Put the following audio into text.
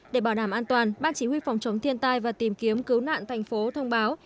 để bảo đảm an toàn ban chỉ huy phòng chống thiên tai và tìm kiếm cứu nạn thành phố thông báo